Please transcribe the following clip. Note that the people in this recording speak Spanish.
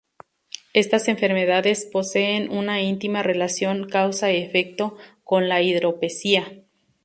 Estas enfermedades poseen una íntima relación causa-efecto con la hidropesía.